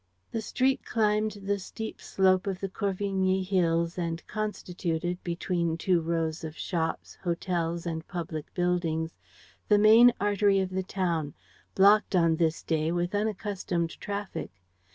The street climbed the steep slope of the Corvigny hills and constituted, between two rows of shops, hotels and public buildings, the main artery of the town, blocked on this day with unaccustomed traffic.